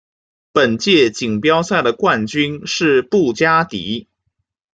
本届锦标赛的冠军是布加迪。